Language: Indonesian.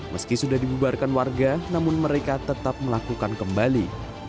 meski sudah dibubarkan warga namun mereka tetap melakukan kembali